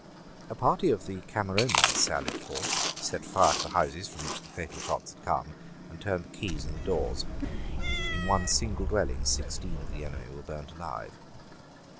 A party of the Cameronians sallied forth, set fire to the houses from which the fatal shots had come, and turned the keys in the doors. In one single dwelling sixteen of the enemy were burnt alive.